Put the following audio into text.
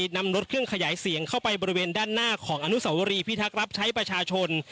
นำรถเครื่องขยายเสียงเข้าไปบริเวณด้านหน้าของอนุสวรีพิทักษ์รับใช้ประชาชน